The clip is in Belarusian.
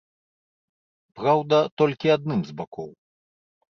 Праўда, толькі адным з бакоў.